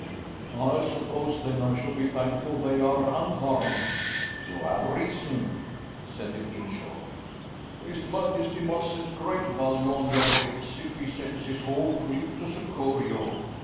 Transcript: "I suppose then I should be thankful they are unharmed?" "You have reason," said the king shortly. "His majesty must set great value on your heads if he sends his whole fleet to succour you."